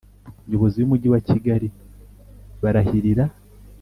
Nyobozi y Umujyi wa Kigali barahirira